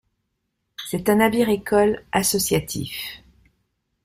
C'est un navire-école associatif.